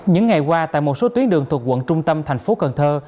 những ngày qua tại một số tuyến đường thuộc quận trung tâm thành phố cần thơ